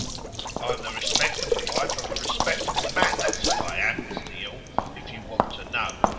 'I'm the respectable wife of a respectable man that's who I am, Mr Yule, if you want to know.